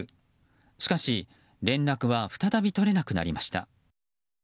しかし連絡は再び取れなくなりました。